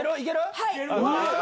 はい。